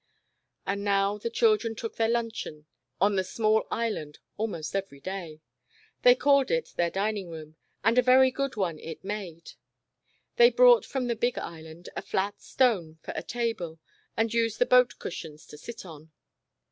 And now, the children took their luncheon on the small Island almost every day. They called it "their dining room," and a very good one it made. They brought from the big Island a flat stone for a table, and used the boat cushions to sit on.